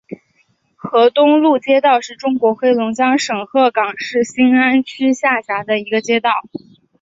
河东路街道是中国黑龙江省鹤岗市兴安区下辖的一个街道。